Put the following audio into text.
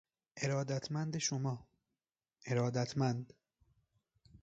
ارادتمند شما، ارادتمند